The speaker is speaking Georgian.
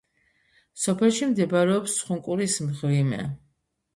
სოფელში მდებარეობს ცხუნკურის მღვიმე.